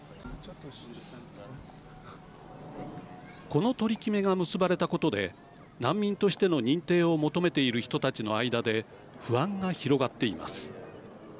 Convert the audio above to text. この取り決めが結ばれたことで難民としての認定を求めている人たちの間で不安が広がっています。